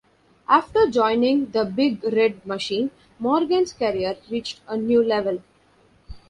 After joining The Big Red Machine, Morgan's career reached a new level.